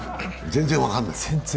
全然分かんないです。